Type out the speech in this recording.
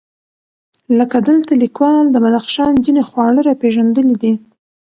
لکه دلته لیکوال د بدخشان ځېنې خواړه راپېژندلي دي،